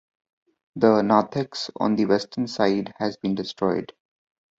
The narthex on the western side has been destroyed.